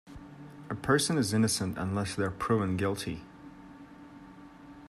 A person is innocent unless they are proven guilty.